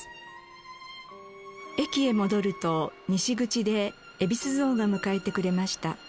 駅へ戻ると西口でゑびす像が迎えてくれました。